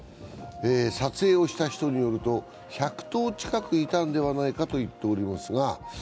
撮影をした人によると１００頭近くいたのではないかと言っています。